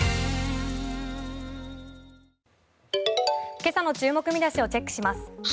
今朝の注目見出しをチェックします。